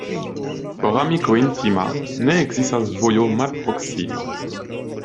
Por amiko intima ne ekzistas vojo malproksima.